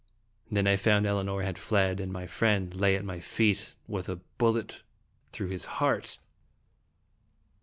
Then I found Elinor had fled, and my friend lay at my feet with a bullet through his heart